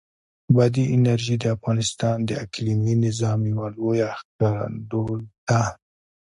بادي انرژي د افغانستان د اقلیمي نظام یوه لویه ښکارندوی ده.